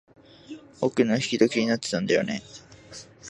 奥の引き戸、気になってたんだよね。